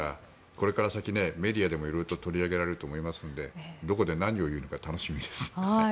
これから先メディアでも色々と取り上げられると思いますのでどこで何を言うのか楽しみです。